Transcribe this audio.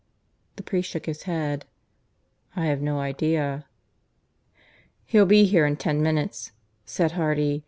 The priest shook his head. "I have no idea." "He'll be here in ten minutes," said Hardy.